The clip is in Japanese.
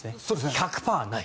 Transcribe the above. １００％ない。